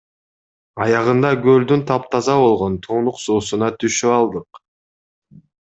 Аягында көлдүн таптаза болгон тунук суусуна түшүп алдык.